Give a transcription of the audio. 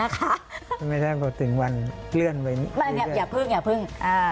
ครับไม่ใช่ว่าถึงวันเลื่อนไปอย่าเพิ่ง